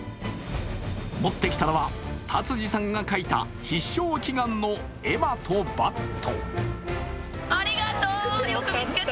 持ってきたのは達治さんが書いた必勝祈願の絵馬とバット。